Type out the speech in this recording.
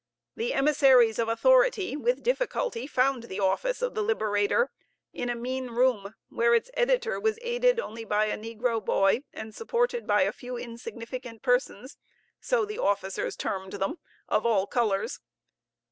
The emissaries of authority with difficulty found the office of the Liberator in a mean room, where its editor was aided only by a negro boy, and supported by a few insignificant persons (so the officers termed them) of all colors.